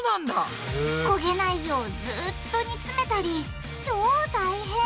こげないようずっと煮詰めたり超大変！